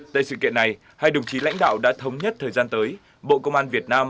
tại sự kiện này hai đồng chí lãnh đạo đã thống nhất thời gian tới bộ công an việt nam